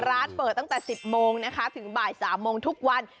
ร้านเปิดตั้งแต่๑๐โมงนะคะถึงบ่าย๓โมงทุกวัน